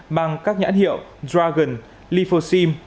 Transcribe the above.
mang các nhãn hiệu dragon lithosim